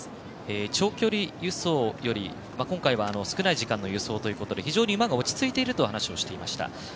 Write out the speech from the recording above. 長距離輸送より今回は少ない時間の輸送ということで非常に馬が落ち着いていると話をしていました。